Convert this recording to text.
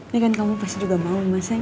ya kan kamu pasti juga mau mas sayang